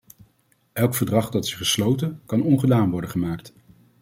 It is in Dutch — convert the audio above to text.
Elk verdrag dat is gesloten kan ongedaan worden gemaakt.